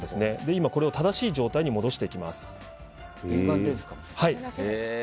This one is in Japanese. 今、これを正しい状態に戻していきます。